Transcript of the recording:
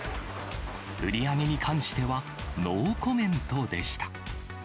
売り上げに関してはノーコメントでした。